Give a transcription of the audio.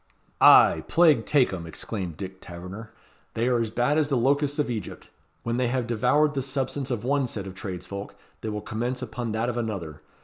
"Ay, plague take 'em!" exclaimed Dick Taverner. "They are as bad as the locusts of Egypt. When they have devoured the substance of one set of tradesfolk they will commence upon that of another.